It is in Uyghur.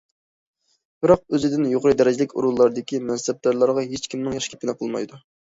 بىراق ئۆزىدىن يۇقىرى دەرىجىلىك ئورۇنلاردىكى مەنسەپدارلارغا ھېچكىمنىڭ ياخشى گېپىنى قىلمايدۇ.